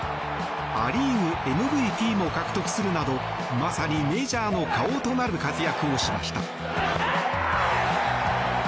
ア・リーグＭＶＰも獲得するなどまさにメジャーの顔となる活躍をしました。